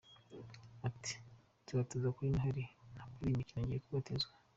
Ati “Nzabatizwa kuri Noheli, ntabwo ari imikino ngiye kubatizwa.